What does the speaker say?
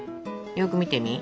よく見てみ。